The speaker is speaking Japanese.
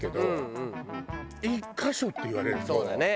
そうだね。